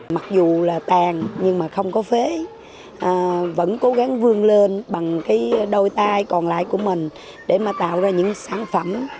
mặc dù là tàn nhưng mà không có phế vẫn cố gắng vương lên bằng cái đôi tay còn lại của mình để mà tạo ra những sản phẩm